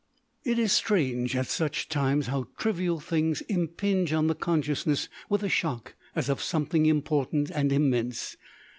It is strange at such times how trivial things impinge on the consciousness with a shock as of something important and immense.